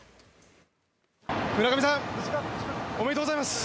村上さんおめでとうございます。